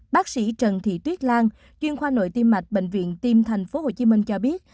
bác sĩ trần thị tuyết lan chuyên khoa nội tiêm mạch bệnh viện tim tp hcm cho biết